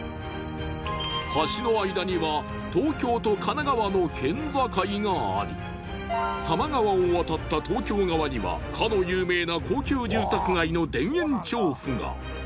橋の間には東京と神奈川の県境があり多摩川を渡った東京側にはかの有名な高級住宅街の田園調布が。